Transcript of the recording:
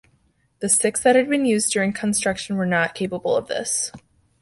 The six that had been used during construction were not capable of this.